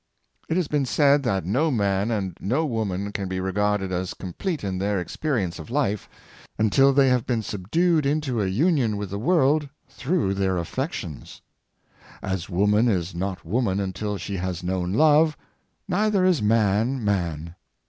It has been said that no man and no woman can be regarded as complete in their experience of life until they have been subdued into a union with the world through their affections. As woman is not woman un til she has known love, neither is man man.